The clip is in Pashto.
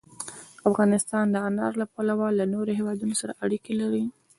افغانستان د انار له پلوه له نورو هېوادونو سره اړیکې لري.